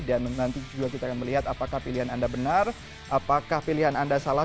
dan nanti juga kita akan melihat apakah pilihan anda benar apakah pilihan anda salah